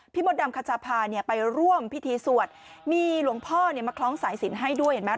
มดดำคัชภาเนี่ยไปร่วมพิธีสวดมีหลวงพ่อเนี่ยมาคล้องสายสินให้ด้วยเห็นไหม